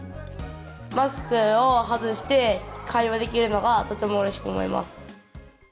マスクを外して会話できるのが、とてもうれしく思います。